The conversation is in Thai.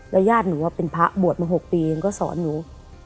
ญาติหนูว่าเป็นพระบวชมา๖ปีเองก็สอนหนู